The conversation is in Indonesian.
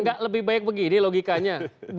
nggak lebih baik begini logikanya